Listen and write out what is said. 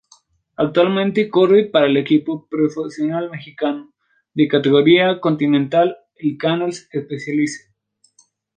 Actualmente corre para el equipo profesional mexicano de categoría Continental el Canel's-Specialized.